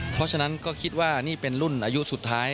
เพราะฉะนั้นก็คิดว่านี่เป็นรุ่นอายุสุดท้าย